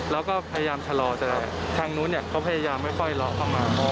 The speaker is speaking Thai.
แล้วก็พยายามชะลอแต่แหละทางนู้นเนี่ยเขาพยายามไม่ปล่อยเราเข้ามา